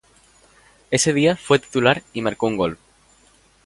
Ese día fue titular y marcó un gol.